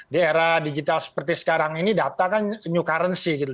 di era digital seperti sekarang ini data kan new currency gitu